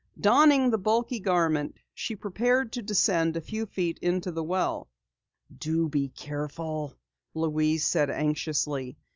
Donning the bulky garment, she prepared to descend a few feet into the well. "Do be careful," Louise said anxiously.